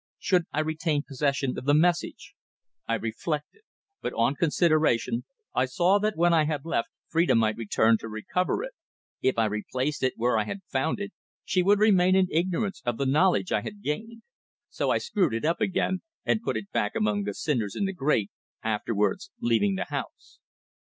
Should I retain possession of the message? I reflected. But, on consideration, I saw that when I had left, Phrida might return to recover it. If I replaced it where I had found it she would remain in ignorance of the knowledge I had gained. So I screwed it up again and put it back among the cinders in the grate, afterwards leaving the house.